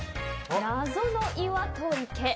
謎の岩と池。